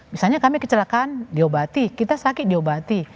misalnya kami kecelakaan diobati kita sakit diobati